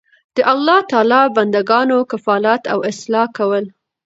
د الله تعالی د بندګانو کفالت او اصلاح کول